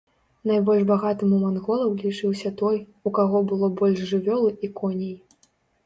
Найбольш багатым у манголаў лічыўся той, у каго было больш жывёлы і коней.